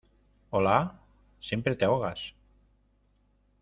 hola. siempre te ahogas